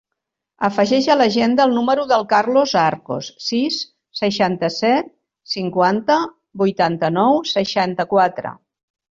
Afegeix a l'agenda el número del Carlos Arcos: sis, seixanta-set, cinquanta, vuitanta-nou, seixanta-quatre.